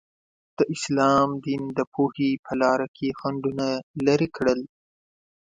د اسلام دین د پوهې په لاره کې خنډونه لرې کړل.